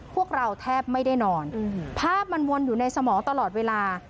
พวกเราแทบไม่ได้นอนภาพมันวนอยู่ในสมองตลอดเวลา